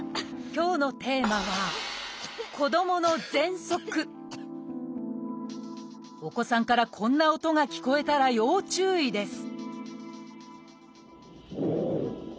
今日のテーマはお子さんからこんな音が聞こえたら要注意です